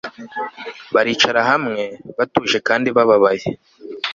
baricara hamwe, batuje kandi bababaye